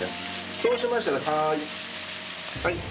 そうしましたらはいはい。